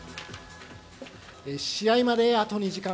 試合まであと２時間。